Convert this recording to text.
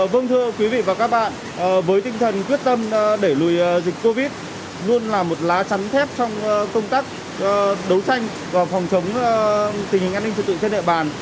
vâng thưa quý vị và các bạn với tinh thần quyết tâm đẩy lùi dịch covid luôn là một lá chắn thép trong công tác đấu tranh và phòng chống tình hình an ninh trật tự trên địa bàn